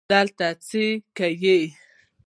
دلته څه که یې